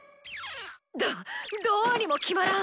どっどうにも決まらん！